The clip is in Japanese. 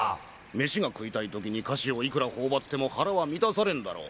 飯が食いたいときに菓子をいくら頬張っても腹は満たされんだろう。